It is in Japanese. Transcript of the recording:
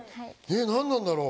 何なんだろう。